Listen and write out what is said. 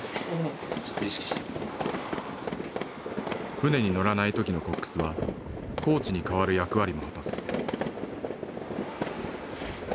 船に乗らない時のコックスはコーチに代わる役割も果たす。